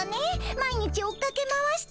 毎日追っかけ回してさ。